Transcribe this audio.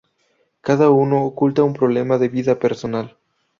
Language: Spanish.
Cada uno oculta un problema de vida personal.